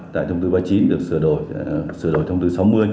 tại thông tư ba mươi chín được sửa đổi sửa đổi thông tư sáu mươi